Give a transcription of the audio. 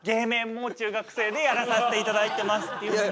もう中学生でやらさせていただいてますっていうふうに。